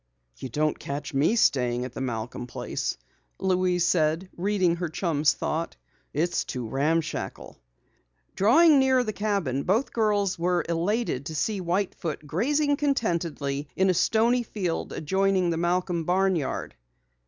"You don't catch me staying at the Malcom place," Louise said, reading her chum's thought. "It's too ramshackle." Drawing nearer the cabin, both girls were elated to see White Foot grazing contentedly in a stony field adjoining the Malcom barn yard.